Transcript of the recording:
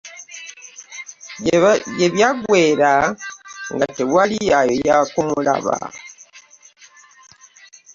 Gye biggweera nga tewali ayoya kumulaba.